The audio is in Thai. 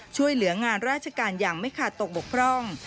ช่วยเหลืองานราชการอย่างไม่ขาดตกบกพร่อง